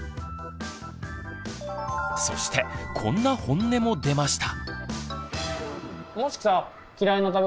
そしてこんなホンネも出ました。